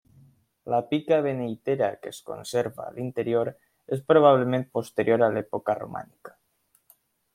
La pica beneitera que es conserva a l'interior és, probablement posterior a l'època romànica.